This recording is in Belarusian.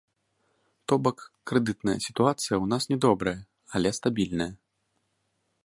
То бок, крэдытная сітуацыя ў нас не добрая, але стабільная.